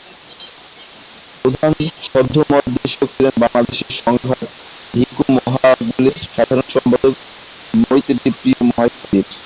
প্রধান সদ্ধর্মদেশক ছিলেন বাংলাদেশ সংঘরাজ ভিক্ষু মহামণ্ডলীর সাধারণ সম্পাদক মৈত্রী প্রিয় মহাস্থবির।